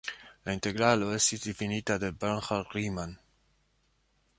La integralo estis difinita de Bernhard Riemann.